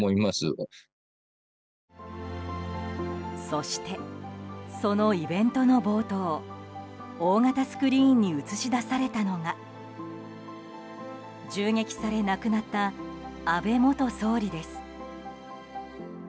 そして、そのイベントの冒頭大型スクリーンに映し出されたのが銃撃され亡くなった安倍元総理です。